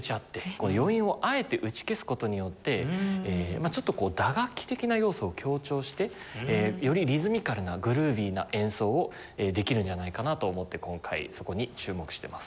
余韻をあえて打ち消す事によってちょっとこう打楽器的な要素を強調してよりリズミカルなグルーヴィーな演奏をできるんじゃないかなと思って今回そこに注目してます。